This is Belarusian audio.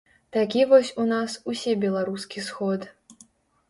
Такі вось у нас усебеларускі сход.